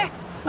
biar gak aja